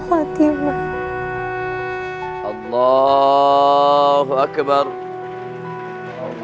hai hai ya allah wa already